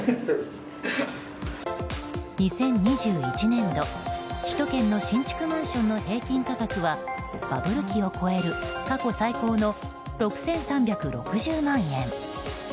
２０２１年度、首都圏の新築マンションの平均価格はバブル期を超える過去最高の６３６０万円。